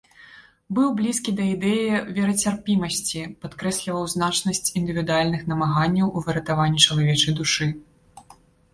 Быў блізкі да ідэі верацярпімасці, падкрэсліваў значнасць індывідуальных намаганняў у выратаванні чалавечай душы.